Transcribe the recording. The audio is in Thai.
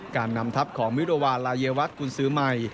การนำทับของวิรวารายีวัตต์กุญฝีคุณซื้อไมร์